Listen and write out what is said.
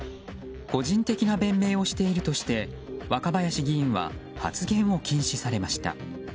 個人的な弁明をしているとして若林議員は発言を禁止されました。